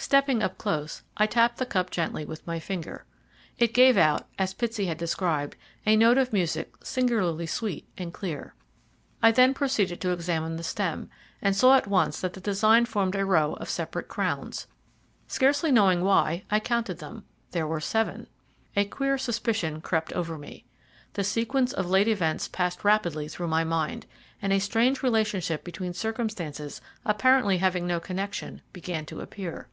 Stepping up close I tapped the cup gently with my finger. It gave out, as Pitsey had described, a note of music singularly sweet and clear. I then proceeded to examine the stem, and saw at once that the design formed a row of separate crowns. Scarcely knowing why, I counted them. There were seven! A queer suspicion crept over me. The sequence of late events passed rapidly through my mind, and a strange relationship between circumstances apparently having no connection began to appear.